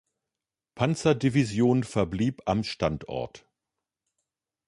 Panzerdivision verblieb am Standort.